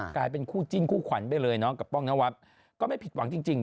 กลายเป็นคู่จิ้นคู่ขวัญไปเลยเนาะกับป้องนวัดก็ไม่ผิดหวังจริง